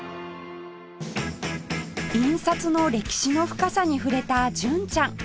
印刷の歴史の深さに触れた純ちゃん